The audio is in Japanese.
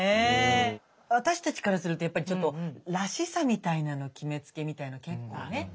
私たちからするとやっぱりちょっとらしさみたいなの決めつけみたいの結構ね。